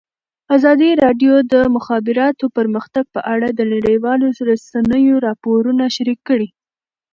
ازادي راډیو د د مخابراتو پرمختګ په اړه د نړیوالو رسنیو راپورونه شریک کړي.